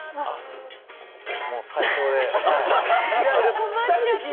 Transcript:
もう最高で、はい。